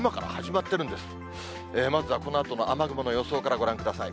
まずはこのあとの雨雲の予想からご覧ください。